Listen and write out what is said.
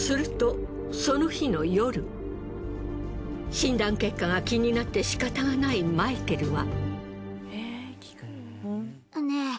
診断結果が気になって仕方がないマイケルは。